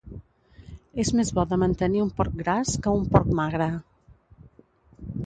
És més bo de mantenir un porc gras que un porc magre.